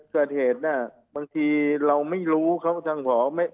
เกิดเหตุน่ะบางทีเราไม่รู้เขาทางหอ